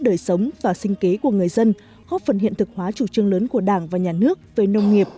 đời sống và sinh kế của người dân góp phần hiện thực hóa chủ trương lớn của đảng và nhà nước về nông nghiệp